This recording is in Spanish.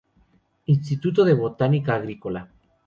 Instituto de Botánica Agrícola.